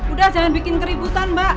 udah jangan bikin keributan mbak